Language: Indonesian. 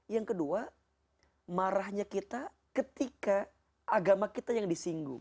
yang kedua marahnya kita ketika agama kita yang disinggung